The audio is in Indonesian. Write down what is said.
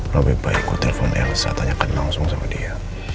lebih baik gue telepon elsa tanya kenang semua sama dia